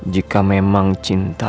jika memang cinta